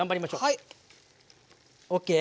はい。ＯＫ？